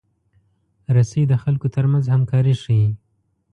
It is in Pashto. رسۍ د خلکو ترمنځ همکاري ښيي.